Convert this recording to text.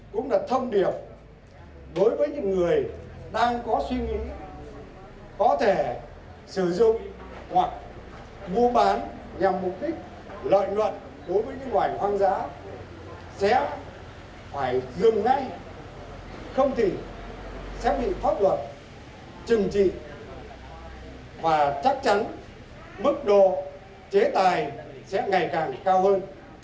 cũng là thông điệp đối với những người đang có suy nghĩ có thể sử dụng hoặc vô bán nhằm mục đích lợi luận đối với những ngoài hoang dã sẽ phải dừng ngay không thì sẽ bị pháp luật trừng trị và chắc chắn mức độ chế tài sẽ ngày càng cao hơn